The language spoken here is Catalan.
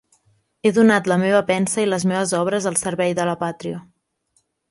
He donat la meva pensa i les meves obres al servei de la pàtria.